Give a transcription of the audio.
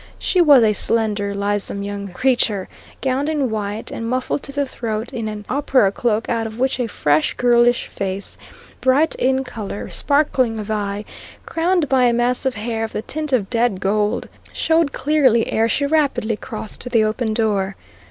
She was a slender, lissome young creature, gowned in white, and muffled to the throat in an opera cloak out of which a fresh, girlish face, bright in colour, sparkling of eye, crowned by a mass of hair of the tint of dead gold, showed clearly ere she rapidly crossed to the open door.